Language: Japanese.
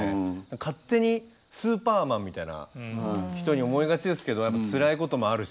勝手にスーパーマンみたいな人に思いがちですけどつらいこともあるし